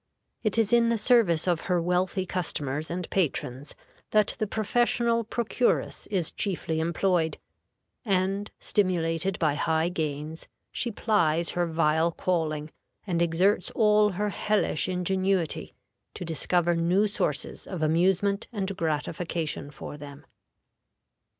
It is in the service of her wealthy customers and patrons that the professional procuress is chiefly employed, and, stimulated by high gains, she plies her vile calling, and exerts all her hellish ingenuity to discover new sources of amusement and gratification for them.